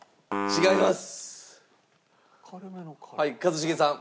違います！